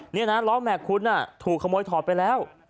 นี่นะล้อแม็กซคุณถูกขโมยถอดไปแล้ว